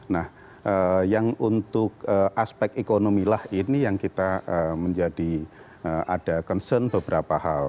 nah yang untuk aspek ekonomi lah ini yang kita menjadi ada concern beberapa hal